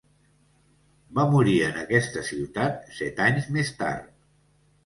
Va morir en aquesta ciutat set anys més tard.